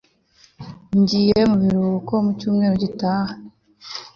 Ngiye mu biruhuko mu cyumweru gitaha